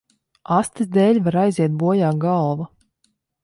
Astes dēļ var aiziet bojā galva.